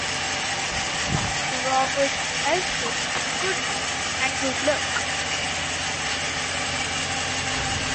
Robert Elswit - Good Night, and Good Luck.